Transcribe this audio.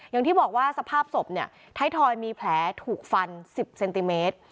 อย่างที่บอกว่าสภาพศพเนี่ยท้ายทอยมีแผลถูกฟัน๑๐เซนติเมตร